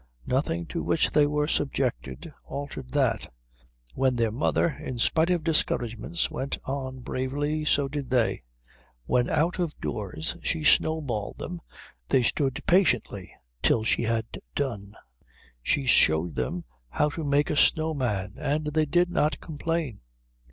Nothing to which they were subjected altered that. When their mother in spite of discouragements went on bravely, so did they. When out of doors she snowballed them they stood patiently till she had done. She showed them how to make a snow man, and they did not complain.